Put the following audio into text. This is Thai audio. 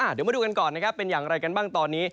เดี๋ยวมาดูกันก่อนนะครับเป็นอย่างไรกันบ้างตอนนี้